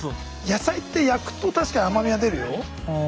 野菜って焼くと確かに甘みが出るよ。